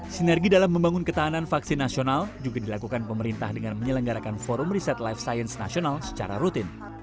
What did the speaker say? sinergi dalam membangun ketahanan vaksin nasional juga dilakukan pemerintah dengan menyelenggarakan forum riset life science nasional secara rutin